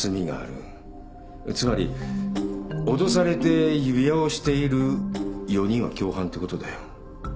つまり脅されて指輪をしている４人は共犯ってことだよ。